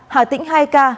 hà tĩnh hai ca